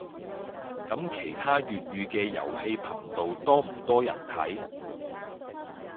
噉其他粵語嘅遊戲頻道多唔多人睇